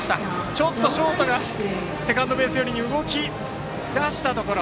ちょっとショートがセカンドベース寄りに動き出したところ